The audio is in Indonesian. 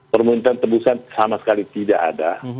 permintaan tebusan sama sekali tidak ada